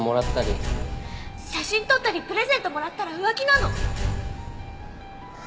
写真撮ったりプレゼントもらったら浮気なの？